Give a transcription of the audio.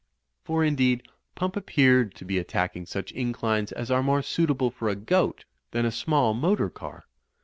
For, indeed, Pmnp appeared to be attacking such inclines as are more suitable for a goat than a small motor car.